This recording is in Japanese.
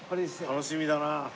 楽しみだな。